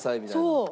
そう。